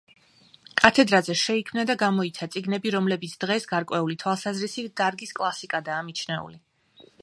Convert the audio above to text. კათედრაზე შეიქმნა და გამოიცა წიგნები, რომლებიც დღეს, გარკვეული თვალსაზრისით, დარგის კლასიკადაა მიჩნეული.